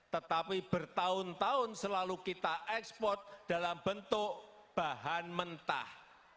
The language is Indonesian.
tetapi bertahun tahun selalu kita ekspor dalam bentuk bahan mentah